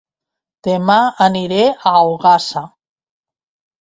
Dema aniré a Ogassa